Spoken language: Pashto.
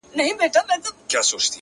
• ویل خدایه تا ویل زه دي پالمه,